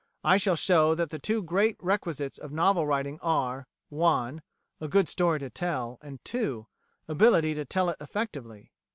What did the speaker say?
I shall show that the two great requisites of novel writing are (1) a good story to tell, and (2) ability to tell it effectively.